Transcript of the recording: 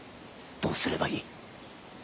どうすればいい？